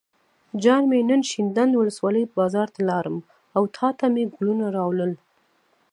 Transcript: جان مې نن شینډنډ ولسوالۍ بازار ته لاړم او تاته مې ګلونه راوړل.